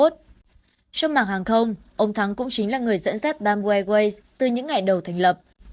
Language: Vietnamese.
trong mạng hàng không ông thắng cũng chính là người dẫn dắt bamboo airways từ những ngày đầu thành lập